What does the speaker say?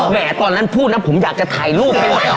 แหละตอนนั้นพูดนะผมอยากจะถ่ายรูปด้ำฝัด